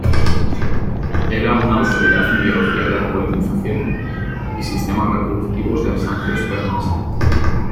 Era una autoridad en biología de la polinización y sistemas reproductivos de las angiospermas.